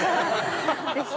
ぜひ。